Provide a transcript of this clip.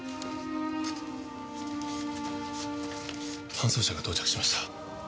搬送車が到着しました。